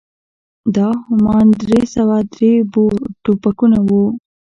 دا همان درې سوه درې بور ټوپکونه وو.